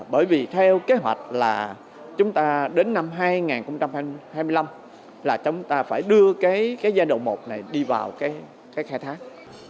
bởi vì theo kế hoạch là chúng ta đến năm hai nghìn hai mươi năm là chúng ta phải đưa cái giai đoạn một này đi vào cái khai thác